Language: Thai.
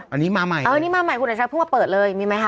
อันนี้มาใหม่เออนี่มาใหม่คุณอัชชาเพิ่งมาเปิดเลยมีไหมคะ